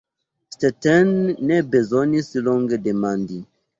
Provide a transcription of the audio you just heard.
Stetten ne bezonis longe demandi.